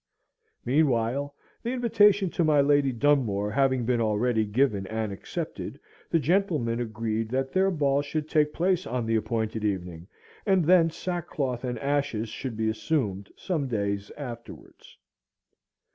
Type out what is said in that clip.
Meanwhile, the invitation to my Lady Dunmore having been already given and accepted, the gentlemen agreed that their ball should take place on the appointed evening, and then sackcloth and ashes should be assumed some days afterwards.